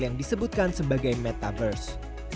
yang disebutkan sebagai metaverse